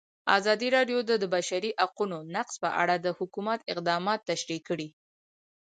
ازادي راډیو د د بشري حقونو نقض په اړه د حکومت اقدامات تشریح کړي.